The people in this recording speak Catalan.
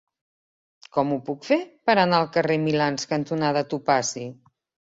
Com ho puc fer per anar al carrer Milans cantonada Topazi?